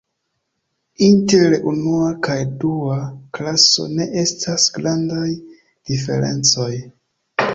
Inter unua kaj dua klaso ne estas grandaj diferencoj.